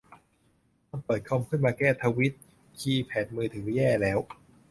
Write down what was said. ต้องเปิดคอมขึ้นมาแก้ทวีต คีย์แพดมือถือแย่แล้ว